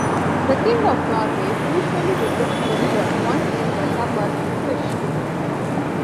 The king of Norway usually visits the river once in the summer to fish.